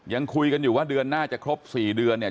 ยังคุยกันอยู่ว่าเดือนหน้าจะครบ๔เดือนเนี่ย